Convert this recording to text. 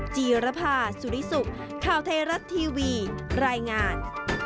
จีรภาสุริสุขข่าวไทยรัฐทีวีรายงาน